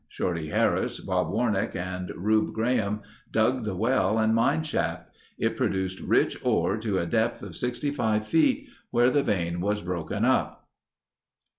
Shorty Harris, Bob Warnack, and Rube Graham dug the well and mine shaft. It produced rich ore to a depth of 65 feet, where the vein was broken up.